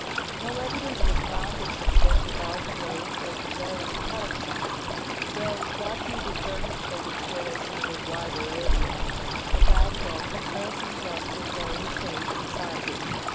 No evidence was found of successive outflows of varying charac ter, though that may be furnished by the exploration of a wider area. The dike rock occurs in blocks of varying shapes and sizes.